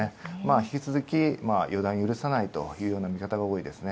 引き続き、予断を許さない見方が多いですね。